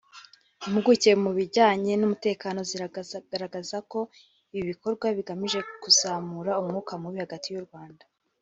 Impuguke mu bijyanye n’umutekano zigaragaza ko ibyo bikorwa bigamije kuzamura umwuka mubi hagati y’u Rwanda